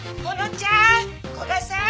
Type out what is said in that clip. ちゃん古賀さん